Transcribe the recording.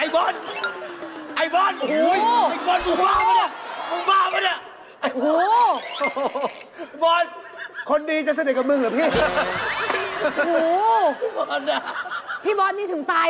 พี่บอสนี่ถึงตายเลยนะอันนี้มีเป็นหนอยจริงมั้ย